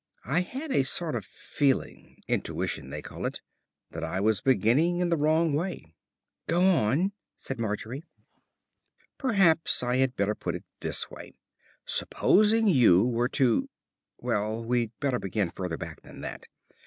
I had a sort of feeling intuition, they call it that I was beginning in the wrong way. "Go on," said Margery. "Perhaps, I had better put it this way. Supposing you were to Well, we'd better begin further back than that.